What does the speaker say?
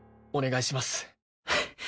お願いします！